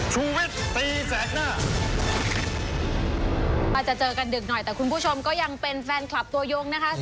ตีแสกหน้ามาจะเจอกันดึกหน่อยแต่คุณผู้ชมก็ยังเป็นแฟนคลับตัวยงนะคะ